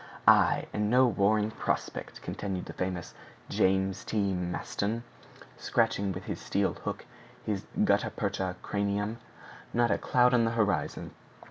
"Ay! and no war in prospect!" continued the famous James T. Maston, scratching with his steel hook his gutta percha cranium. "Not a cloud on the horizon!